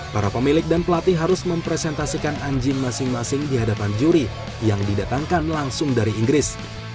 para pemilik dan pelatih harus mempresentasikan anjing masing masing di hadapan juri yang didatangkan langsung dari inggris